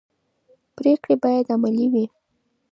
پرېکړې باید عملي وي